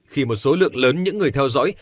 khi một số lượng lớn những người theo dõi